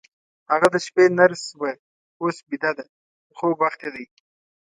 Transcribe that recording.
هغه د شپې نرس وه، اوس بیده ده، د خوب وخت یې دی.